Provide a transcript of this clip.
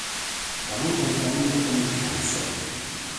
Da non confondere con il censo.